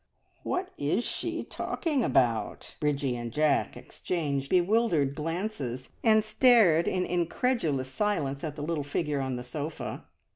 "What is she talking about?" Bridgie and Jack exchanged bewildered glances, and stared in incredulous silence at the little figure on the sofa.